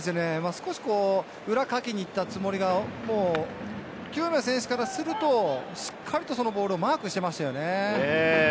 少し裏をかきにいったつもりが、清宮選手からすると、しっかりとそのボールをマークしてましたよね。